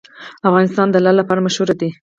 افغانستان د لعل لپاره مشهور دی.